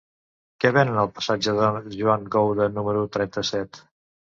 Què venen al passatge de Joan Goula número trenta-set?